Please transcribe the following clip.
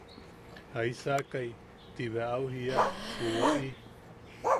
–¿Jaisaakai?– ti bea au jiia ju woʼi.